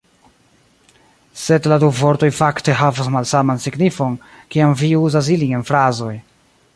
Sed la du vortoj fakte havas malsaman signifon, kiam vi uzas ilin en frazoj.